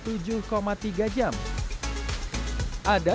ada dua jalur untuk pembukaan kendaraan